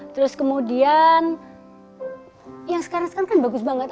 terus kemudian yang sekarang sekarang kan bagus banget